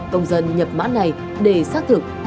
công dân nhập mã này để xác thực